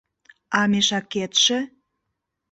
— А мешакетше?